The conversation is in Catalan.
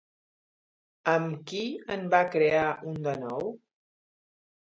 Amb qui en va crear un de nou?